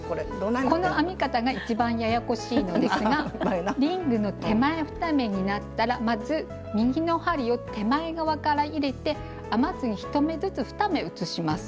この編み方が一番ややこしいのですがリングの手前２目になったらまず右の針を手前側から入れて編まずに１目ずつ２目移します。